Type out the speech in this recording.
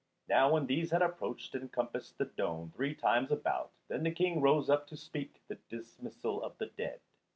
Now when these had approached and compassed the dome three times about, then the King rose up to speak the dismissal of the dead.